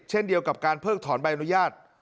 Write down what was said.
เช่นเดียวกับการเพิกถอนใบอนุญาต